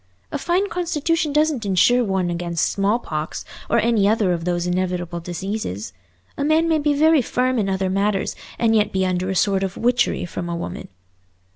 A fine constitution doesn't insure one against smallpox or any other of those inevitable diseases. A man may be very firm in other matters and yet be under a sort of witchery from a woman."